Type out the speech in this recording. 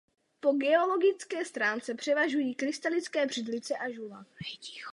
Po geologické stránce převažují krystalické břidlice a žula.